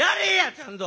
ちゃんと。